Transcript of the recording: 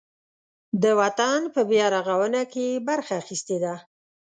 د وطن په بیارغاونه کې یې برخه اخیستې ده.